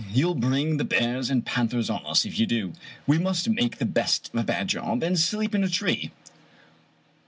You'll bring the bears and panthers on us if you do. We must make the best of a bad job, and sleep in a tree."